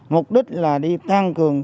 mục đích là đi tăng cường